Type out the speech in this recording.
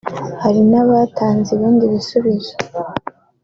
Hari n’abatanze ibindi bisubizo